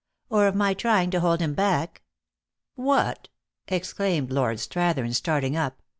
" Or of my trying to hold him back ?" "What!" exclaimed Lord Strathern, starting up.